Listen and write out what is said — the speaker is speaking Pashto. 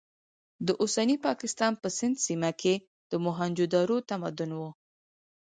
د اوسني پاکستان په سند سیمه کې د موهنجو دارو تمدن و.